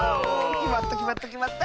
きまったきまったきまった！